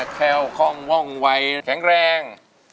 แคล้วค่องว่องวัยแข็งแรง